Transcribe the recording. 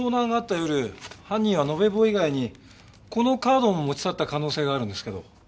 夜犯人は延べ棒以外にこのカードも持ち去った可能性があるんですけど。